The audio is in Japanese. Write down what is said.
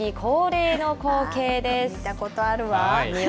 見たことあるわ。